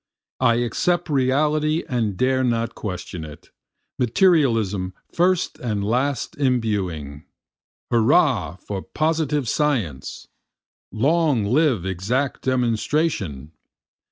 I accept Reality and dare not question it, Materialism first and last imbuing. Hurrah for positive science! long live exact demonstration!